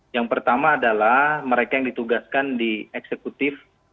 yang pertama adalah mereka yang ditugaskan di eksekutif